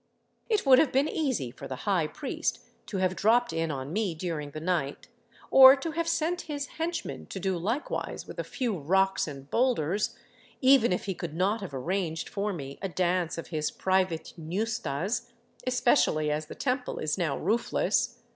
It would have been easy for the high priest to have dropped in on me during the night, or to have sent his henchmen to do likewise with a few rocks and boulders, even if he could not have arranged for me a dance of his private iiustas, especially as the temple is now roofless.